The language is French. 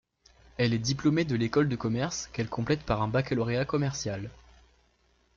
Elle est diplômée de l'école de commerce, qu'elle complète par un baccalauréat commercial.